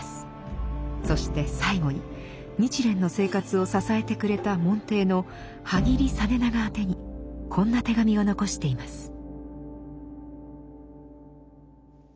そして最後に日蓮の生活を支えてくれた門弟の波木井実長宛てにこんな手紙を残しています。